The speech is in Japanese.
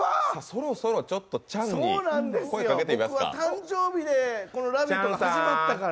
そろそろチャンに声かけてみますか。